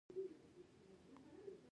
ډګروال وویل دا شیدې او کلچې ستا لپاره دي